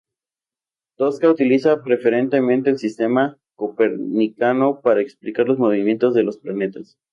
Tosca utiliza preferentemente el sistema copernicano para explicar los movimientos de los planetas.